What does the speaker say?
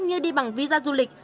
như đi bằng visa du lịch